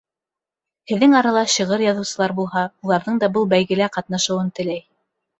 Һеҙҙең арала шиғыр яҙыусылар булһа, уларҙың да был бәйгелә ҡатнашыуын теләй.